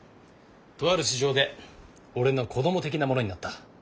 とある事情で俺の子ども的なものになった。